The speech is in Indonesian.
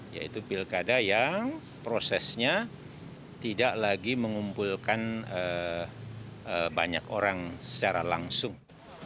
yaitu pilkada yang prosesnya tidak lagi mengumpulkan banyak orang secara langsung